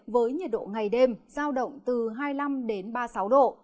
với nhiệt độ ngày đêm giao động từ hai mươi năm đến ba mươi sáu độ